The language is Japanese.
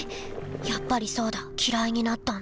やっぱりそうだきらいになったんだ。